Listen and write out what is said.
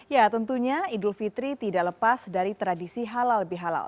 ya tentunya idul fitri tidak lepas dari tradisi halal bihalal